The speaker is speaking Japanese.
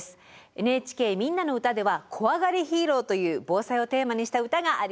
「ＮＨＫみんなのうた」では「こわがりヒーロー」という「防災」をテーマにした歌があります。